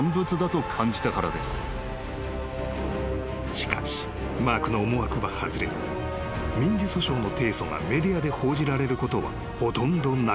［しかしマークの思惑は外れ民事訴訟の提訴がメディアで報じられることはほとんどなかった］